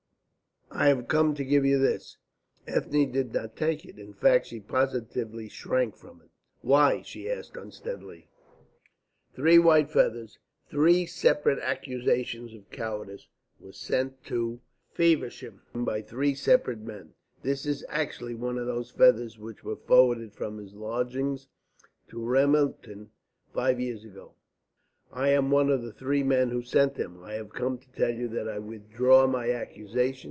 "I have come to give you this." Ethne did not take it. In fact, she positively shrank from it. "Why?" she asked unsteadily. "Three white feathers, three separate accusations of cowardice, were sent to Feversham by three separate men. This is actually one of those feathers which were forwarded from his lodgings to Ramelton five years ago. I am one of the three men who sent them. I have come to tell you that I withdraw my accusation.